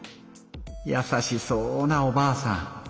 やさしそうなおばあさん。